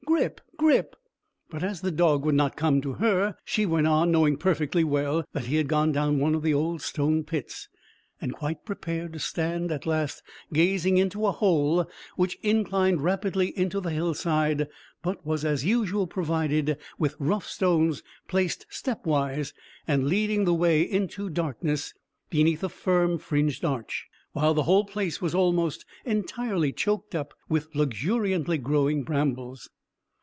"Grip! Grip!" But, as the dog would not come to her, she went on, knowing perfectly well that he had gone down one of the old stone pits, and quite prepared to stand at last gazing into a hole which inclined rapidly into the hillside, but was as usual provided with rough stones placed step wise, and leading the way into darkness beneath a fern fringed arch, while the whole place was almost entirely choked up with the luxuriantly growing brambles.